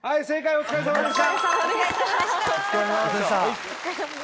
お疲れさまでした。